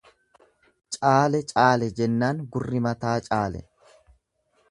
Caale caale jennaan gurri mataa caale.